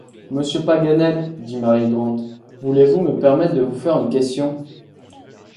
Monsieur Paganel, dit Mary Grant, voulez-vous me permettre de vous faire une question ?